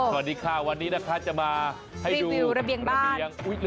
สวัสดีค่ะวันนี้นะคะจะมาให้ดูระเบียง